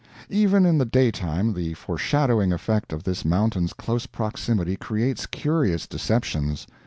Even in the daytime the foreshadowing effect of this mountain's close proximity creates curious deceptions.